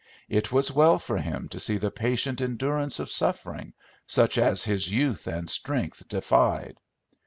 It was well for him to see the patient endurance of suffering, such as his youth and strength defied.